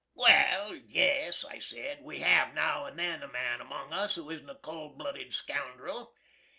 "Well, yes," I sed, "we hav' now and then a man among us who isn't a cold bluded scoundril.